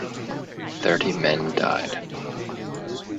Thirty men died.